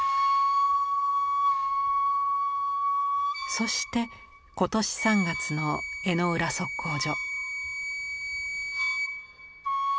そして今年３月の江之浦測候所。